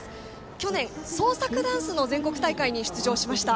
去年、創作ダンスの全国大会に出場しました。